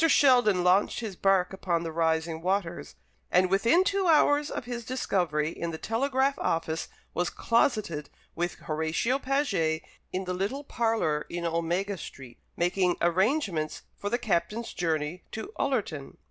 Sheldon launched his bark upon the rising waters, and within two hours of his discovery in the telegraph office was closeted with Horatio Paget in the little parlour in Omega Street, making arrangements for the Captain's journey to Ullerton.